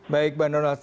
baik bang donald